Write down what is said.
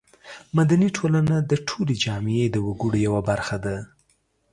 مدني ټولنه د ټولې جامعې د وګړو یوه برخه ده.